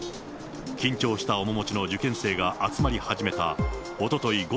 緊張した面持ちの受験生が集まり始めたおととい